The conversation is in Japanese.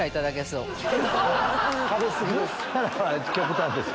食べ過ぎです。